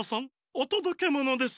おとどけものです！